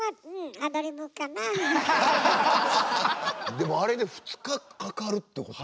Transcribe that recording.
でもあれで２日かかるってこと？